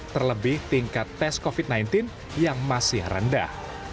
terlebih tingkat tes covid sembilan belas yang masih rendah